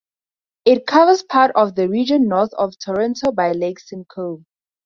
It covers part of the region north of Toronto by Lake Simcoe.